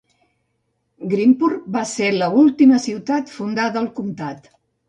Greenport va ser l'última ciutat fundada al comtat.